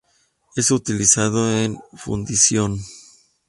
Es utilizado en fundición.